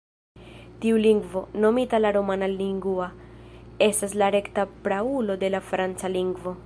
Tiu lingvo, nomita la "romana lingua", estas la rekta praulo de la franca lingvo.